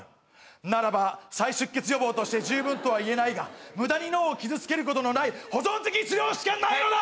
ならば再出血予防として十分とは言えないが無駄に脳を傷つけることのない保存的治療しかないのだ！